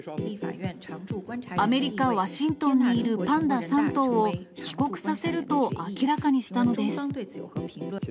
アメリカ・ワシントンにいるパンダ３頭を帰国させると明らかにしたのです。